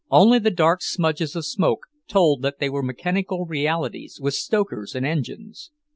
Only the dark smudges of smoke told that they were mechanical realities with stokers and engines.